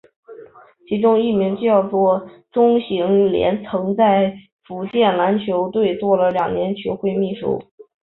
其中一位叫钟行廉曾在福建篮球队做了两年球会秘书。